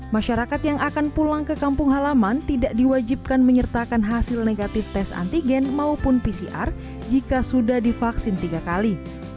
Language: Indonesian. masyarakat yang akan pulang ke kampung halaman tidak diwajibkan menyertakan hasil negatif tes antigen maupun pcr jika sudah divaksin tiga kali